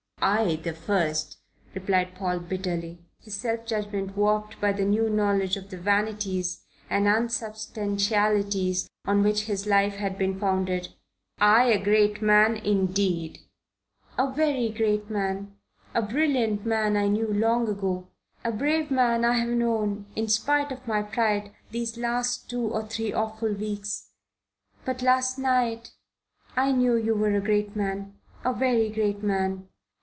"I the first," replied Paul bitterly, his self judgment warped by the new knowledge of the vanities and unsubstantialities on which his life had been founded. "I a great man, indeed!" "A very great man. A brilliant man I knew long ago. A brave man I have known, in spite of my pride, these last two or three awful weeks. But last night I knew you were a great man a very great man.